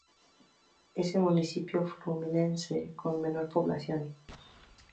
Es el municipio fluminense con la menor población.